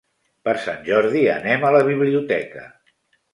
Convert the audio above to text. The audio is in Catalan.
Per Sant Jordi anem a la biblioteca.